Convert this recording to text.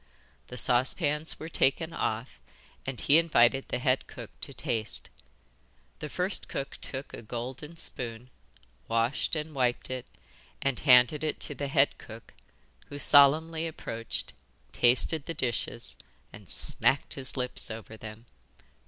The saucepans were taken off, and he invited the head cook to taste. The first cook took a golden spoon, washed and wiped it, and handed it to the head cook, who solemnly approached, tasted the dishes, and smacked his lips over them.